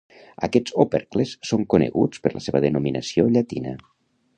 Aquest opercles són coneguts per la seva denominació llatina.